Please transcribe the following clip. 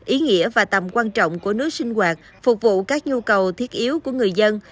ý nghĩa và tầm quan trọng của nước sinh hoạt phục vụ các nhu cầu thiết yếu của người dân